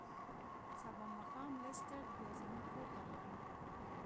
سبا ماښام لیسټرډ بیا زموږ کور ته راغی.